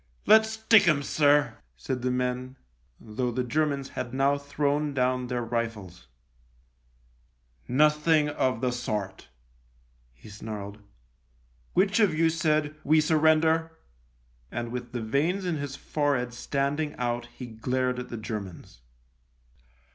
" Let's stick 'em, sir," said the men, though the Germans had now thrown down their rifles. " Nothing of the sort," he snarled. " Which of you said ' We surrender ?'" and with the veins in his forehead standing out he glared at the Germans.